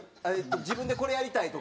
自分でこれやりたいとか。